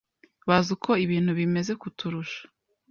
Bazi uko ibintu bimeze kuturusha.